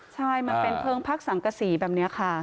ใช่มันเป็นเพลิงพักสังกษีแบบนี้ค่ะ